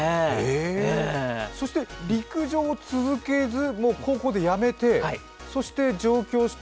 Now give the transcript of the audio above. そして陸上を続けず、高校でやめて、上京して